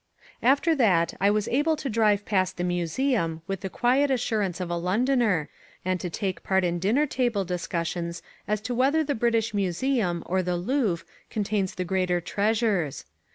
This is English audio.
After that I was able to drive past the Museum with the quiet assurance of a Londoner, and to take part in dinner table discussions as to whether the British Museum or the Louvre contains the greater treasures.